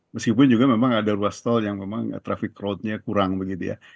meskipun juga memang ada ruas tol yang memang traffic crowdnya kurang begitu ya